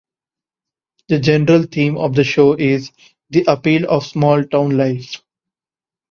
The general theme of the show is the appeal of small town life.